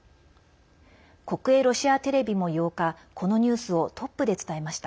国営ロシアテレビも８日このニュースをトップで伝えました。